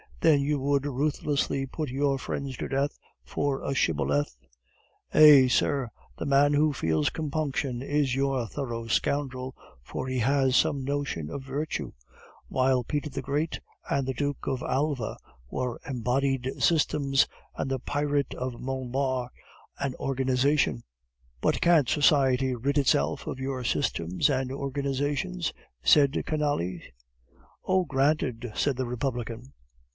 Then you would ruthlessly put your friends to death for a shibboleth?" "Eh, sir! the man who feels compunction is your thorough scoundrel, for he has some notion of virtue; while Peter the Great and the Duke of Alva were embodied systems, and the pirate Monbard an organization." "But can't society rid itself of your systems and organizations?" said Canalis. "Oh, granted!" cried the Republican.